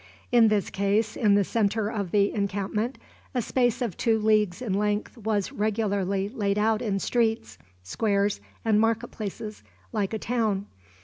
In this case, in the centre of the encampment, a space of two leagues in length was regularly laid out in streets, squares, and market places, like a town.